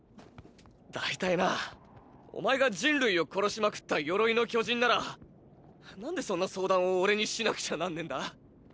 大体なぁお前が人類を殺しまくった「鎧の巨人」なら何でそんな相談をオレにしなくちゃなんねぇんだ。